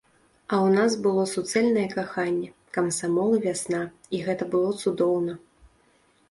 А ў нас было суцэльнае каханне, камсамол і вясна, і гэта было цудоўна.